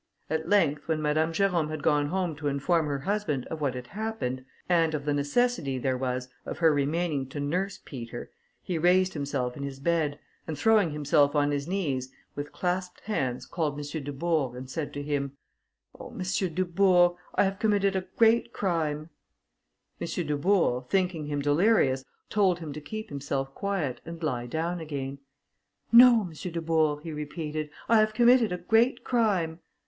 At length, when Madame Jerôme had gone home to inform her husband of what had happened, and of the necessity there was of her remaining to nurse Peter, he raised himself in his bed, and throwing himself on his knees, with clasped hands called M. Dubourg, and said to him, "Oh! M. Dubourg, I have committed a great crime." M. Dubourg, thinking him delirious, told him to keep himself quiet, and lie down again. "No, M. Dubourg," he repeated, "I have committed a great crime."